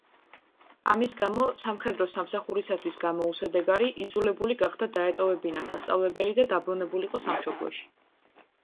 ამის გამო, სამხედრო სამსახურისათვის გამოუსადეგარი, იძულებული გახდა დაეტოვებინა სასწავლებელი და დაბრუნებულიყო სამშობლოში.